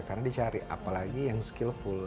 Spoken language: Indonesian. karena dicari apalagi yang skillful